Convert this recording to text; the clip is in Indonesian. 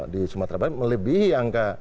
di sumatera barat melebihi angka